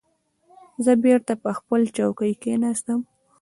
زه بېرته پر خپلې چوکۍ کېناستم.